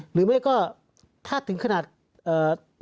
หรือไม่ก็ถ้าถึงขนาดมีการแทง